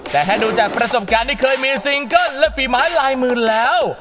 แต่ให้รู้จักประสบการณ์ที่เคยมีซิงเกิ้ลและฝีม้ายลายหมื่นแล้ว